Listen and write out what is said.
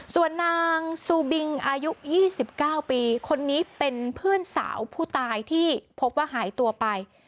ส่วนนางซูบิงอายุ๒๙ปีคนนี้เป็นเพื่อนสาวผู้ตายที่พบว่าหายตัวไป